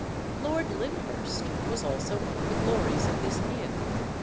Lord Lyndhurst was also one of the glories of this inn.